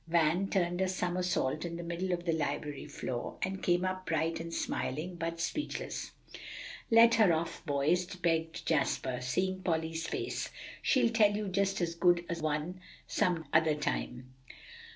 Van turned a somersault in the middle of the library floor, and came up bright and smiling, but speechless. "Let her off, boys," begged Jasper, seeing Polly's face; "she'll tell you just as good a one some other time."